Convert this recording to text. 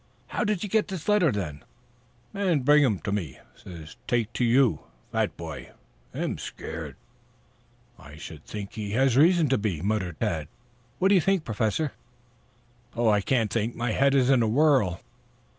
"How did you get this letter, then?" "Man bring um to me. Say take to you. Fat boy, him scared." "I should think he had reason to be," muttered Tad. "What do you think, Professor?" "I can't think. My head is in a whirl."